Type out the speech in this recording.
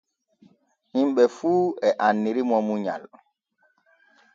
Himɓe fu e annirimo munyal.